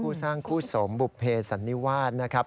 คู่สร้างคู่สมบุภเพสันนิวาสนะครับ